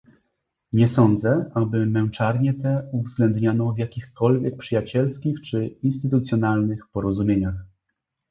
Nie sądzę, aby męczarnie te uwzględniano w jakichkolwiek przyjacielskich czy instytucjonalnych porozumieniach